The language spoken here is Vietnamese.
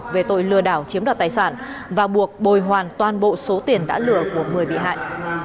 về tội lừa đảo chiếm đoạt tài sản và buộc bồi hoàn toàn bộ số tiền đã lừa của một mươi bị hại